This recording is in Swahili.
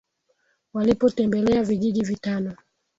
Walipotembelea vijiji vitano.